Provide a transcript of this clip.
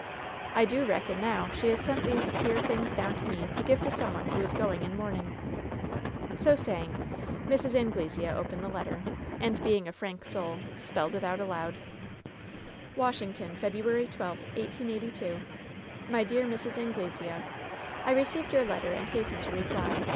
I do reckon now she has sent these here things down to me to give to some one who is going in mourning." So saying, Mrs. Anglesea opened the letter, and being a frank soul, spelled it out aloud : '"Washington, February 12, 1882. "My Deab Mrs, Anglesea : I received your letter, and hasten to reply.